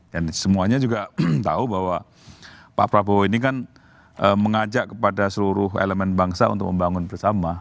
dan semuanya juga tahu bahwa pak prabowo ini kan mengajak kepada seluruh elemen bangsa untuk membangun bersama